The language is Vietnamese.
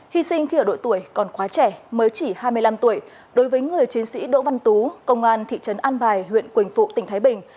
hy sinh khi ở đội tuổi còn quá trẻ mới chỉ hai mươi năm tuổi đối với người chiến sĩ đỗ văn tú công an thị trấn an bài huyện quỳnh phụ tỉnh thái bình